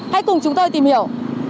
hãy cùng chúng tôi tìm hiểu